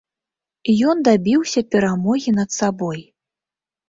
Ён дабіўся перамогі над сабой.